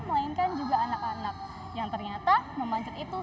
melainkan juga anak anak yang ternyata memanjat itu